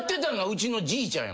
うちのじいちゃん